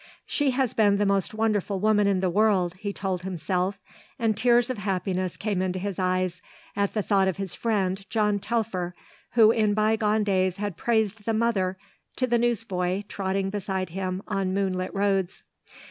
"She has been the most wonderful woman in the world," he told himself and tears of happiness came into his eyes at the thought of his friend, John Telfer, who in bygone days had praised the mother to the newsboy trotting beside him on moonlit roads.